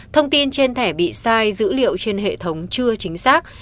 thông tin trên thẻ bị sai dữ liệu trên hệ thống chưa chính xác